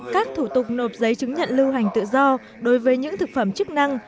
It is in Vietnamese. các thủ tục nộp giấy chứng nhận lưu hành tự do đối với những thực phẩm chức năng